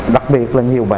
đặc biệt là nhiều bạn